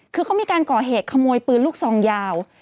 คือเขามีการก่อเหตุขโมยปืนลูกซองยาว